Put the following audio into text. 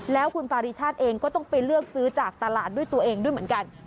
แล้วคุณปาริชาติเองก็ต้องไปเลือกซื้อจากตลาดด้วยตัวเองด้วยเหมือนกัน